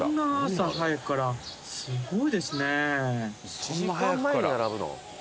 １時間前に並ぶの？